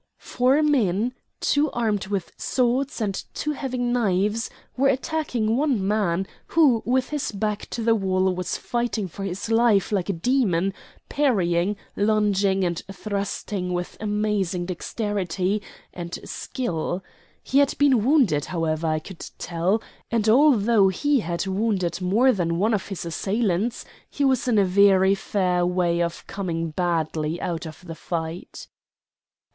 Four men, two armed with swords and two having knives, were attacking one man, who, with his back to the wall, was fighting for his life like a demon, parrying, lunging, and thrusting with amazing dexterity and skill. He had been wounded, however, I could tell, and although he had wounded more than one of his assailants, he was in a very fair way of coming badly out of the fight.